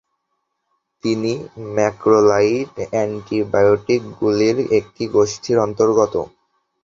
এটি ম্যাক্রোলাইড অ্যান্টিবায়োটিকগুলির একটি গোষ্ঠীর অন্তর্গত।